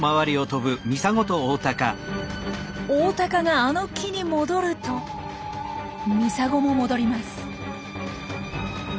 オオタカがあの木に戻るとミサゴも戻ります。